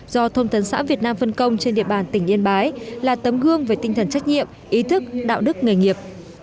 do thông tấn xã việt nam phân công trên địa bàn tỉnh yên bái là tấm gương về tinh thần trách nhiệm ý thức đạo đức nghề nghiệp